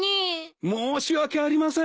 申し訳ありません。